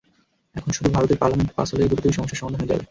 এখন শুধু ভারতের পার্লামেন্টে পাস হলেই দ্রুতই সমস্যার সমাধান হয়ে যাবে।